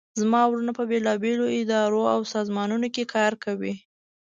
زما وروڼه په بیلابیلو اداراو او سازمانونو کې کار کوي